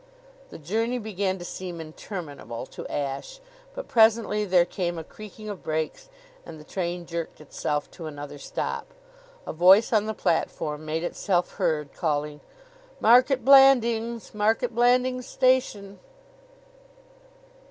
The journey began to seem interminable to Ashe; but presently there came a creaking of brakes and the train jerked itself to another stop. A voice on the platform made itself heard, calling: "Market Blandings! Market Blandings Station!"